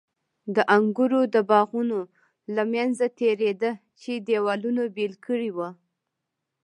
د انګورو د باغونو له منځه تېرېده چې دېوالونو بېل کړي ول.